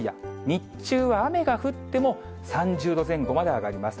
日中は雨が降っても３０度前後まで上がります。